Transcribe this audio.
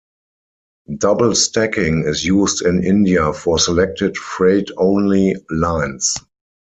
Double stacking is used in India for selected freight-only lines.